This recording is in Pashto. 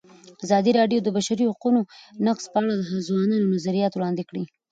ازادي راډیو د د بشري حقونو نقض په اړه د ځوانانو نظریات وړاندې کړي.